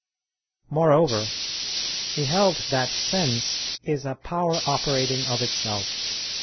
Moreover he held that sense is a power operating of itself.